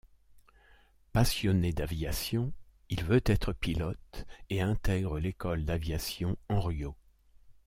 Passionné d'aviation, il veut être pilote et intègre l'école d'aviation Hanriot.